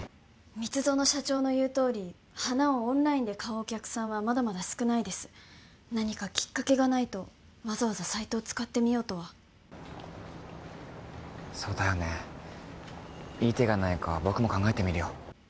蜜園社長の言うとおり花をオンラインで買うお客さんはまだまだ少ないです何かきっかけがないとわざわざサイトを使ってみようとはそうだよねいい手がないか僕も考えてみるよ